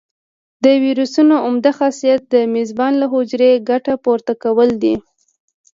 د ویروسونو عمده خاصیت د میزبان له حجرې ګټه پورته کول دي.